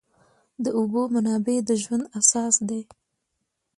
د اوبو منابع د ژوند اساس دي.